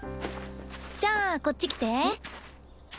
じゃあこっち来て。